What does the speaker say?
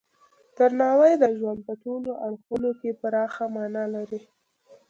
درناوی د ژوند په ټولو اړخونو کې پراخه معنی لري.